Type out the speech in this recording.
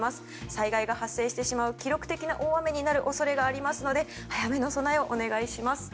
災害が発生してしまう記録的な大雨になる恐れがありますので早めの備えをお願いします。